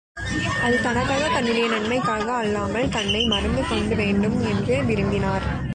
அது தனக்காக தன்னுடைய நன்மைக்காக அல்லாமல் தன்னை மறந்து கொடுக்க வேண்டும் என்று விரும்பினார்.